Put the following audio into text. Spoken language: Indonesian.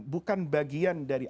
bukan bagian dari